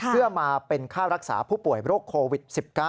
เพื่อมาเป็นค่ารักษาผู้ป่วยโรคโควิด๑๙